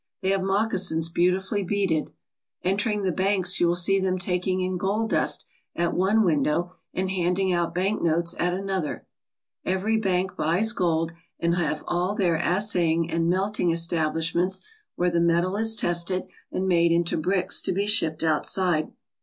They have moccasins beautifully beaded. Entering the banks you will see them taking in gold dust at one window and handing out bank notes at another. Every bank buys gold and all have their assaying and melting establishments where the metal is tested and made into bricks to be shipped outside.